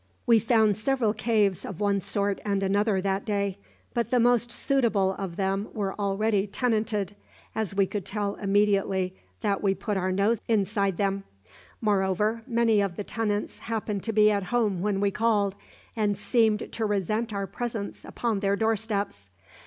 "We found several caves of one sort and another that day; but the most suitable of them were already tenanted, as we could tell immediately that we put our noses inside them. Moreover, many of the tenants happened to be at home when we called, and seemed to resent our presence upon their doorsteps.